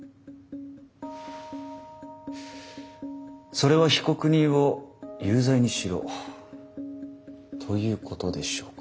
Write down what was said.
それは被告人を有罪にしろということでしょうか？